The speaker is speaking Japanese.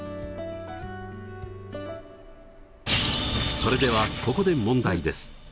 それではここで問題です。